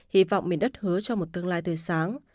hy vọng miền đất hứa cho một tương lai tươi sáng